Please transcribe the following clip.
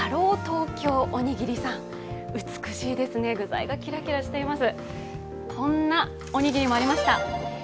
美しいですね、具材がキラキラしています。